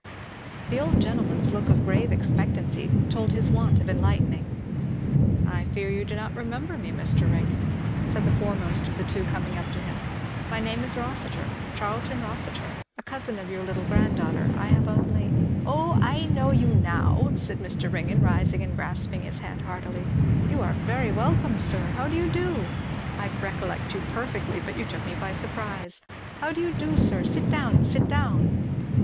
The old gentleman's look of grave expectancy told his want of enlightening. "I fear you do not remember me, Mr. Ringgan," said the foremost of the two coming up to him, "my name is Rossitur Charlton Rossitur a cousin of your little grand daughter. I have only" "O I know you now!" said Mr. Ringgan, rising and grasping his hand heartily, "you are very welcome, sir. How do you do? I recollect you perfectly, but you took me by surprise. How do you do, sir? Sit down sit down."